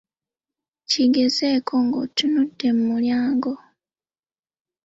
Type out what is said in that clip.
Kigezeeko ng'otunudde mu mulyango.